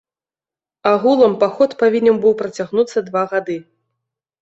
Агулам паход павінен быў працягнуцца два гады.